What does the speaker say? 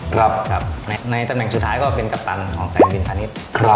ครับในตำแหน่งสุดท้ายก็เป็นกัปตันของการบินพาณิชย์